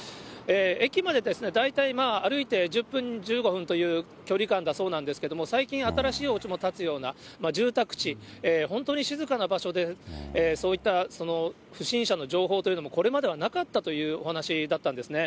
駅まで大体歩いて１０分、１５分という距離感だそうなんですけども、最近、新しいおうちも建つような住宅地、本当に静かな場所で、そういった不審者の情報というのも、これまではなかったというお話だったんですね。